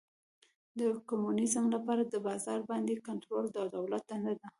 د کمونیزم لپاره د بازار باندې کنټرول د دولت دنده ده.